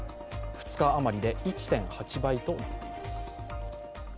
２日余りで１．８倍となっています。